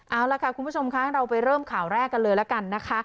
เอาล่ะค่ะคุณผู้ชมคะเราไปเริ่มข่าวแรกกันเลยละกันนะคะ